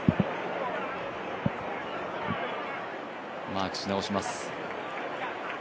マークし直します。